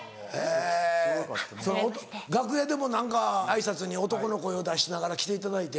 楽屋でも何か挨拶に男の声を出しながら来ていただいて。